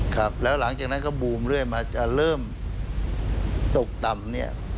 ครับแล้วหลังจากนั้นก็บูมเรื่อยมาจะเริ่มตกต่ำเนี่ย